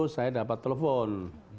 saya dapat telepon